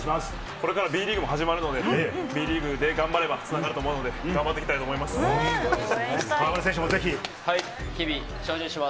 これからＢリーグも始まるので、Ｂリーグで頑張ればつながると思うので、頑張っていきたいと応援したい。